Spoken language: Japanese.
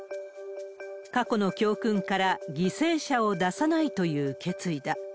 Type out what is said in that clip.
過去の教訓から、犠牲者を出さないという決意だ。